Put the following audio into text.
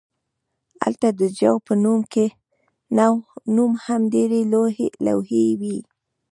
هلته د جو په نوم هم ډیرې لوحې وې